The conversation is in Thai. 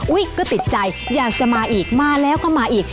ก็ติดใจอยากจะมาอีกมาแล้วก็มาอีก